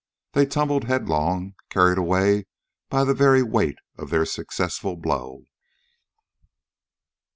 They tumbled headlong, carried away by the very weight of their successful blow.